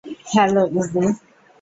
Hello, ইযি।